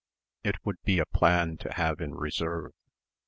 It would be a plan to have in reserve.